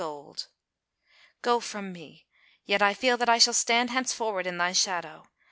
gold !" u Go from me. Yet feel that I shall stand Henceforward in thy shadow.